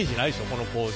この工場。